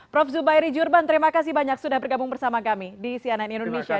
prof zubairi jurban terima kasih banyak sudah bergabung bersama kami di cnn indonesia